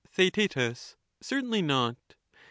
Theaet Certainly not. Str.